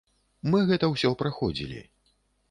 Мы гэта ўсё праходзілі.